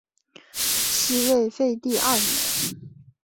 西魏废帝二年。